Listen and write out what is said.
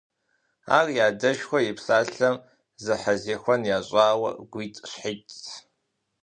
Ар и адэшхуэм и псалъэхэм зэхэзехуэн ящӀауэ, гуитӀщхьитӀт…